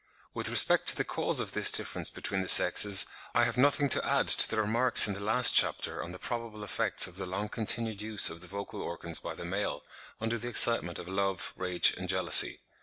With respect to the cause of this difference between the sexes, I have nothing to add to the remarks in the last chapter on the probable effects of the long continued use of the vocal organs by the male under the excitement of love, rage and jealousy.